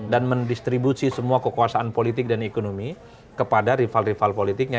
dan mendistribusi semua kekuasaan politik dan ekonomi kepada rival rival politiknya